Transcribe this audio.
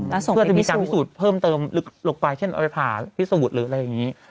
เพื่อจะมีการพิสูจน์เพิ่มเติมลึกลงไปเช่นเอาไปผ่าพิสูจน์หรืออะไรอย่างนี้